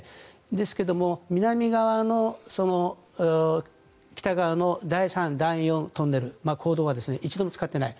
ですけども南側の北側の第３、第４トンネル、坑道は一度も使っていない。